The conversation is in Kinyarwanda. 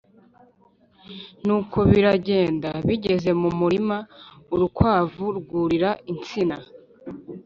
Nuko biragenda, bigeze mu murima, urukwavu rwurira insina